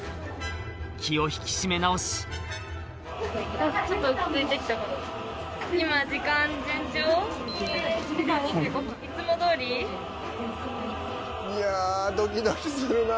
気を引き締め直しドキドキするなぁ！